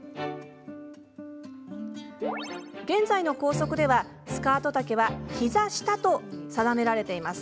現在の校則ではスカート丈は膝下と定められています。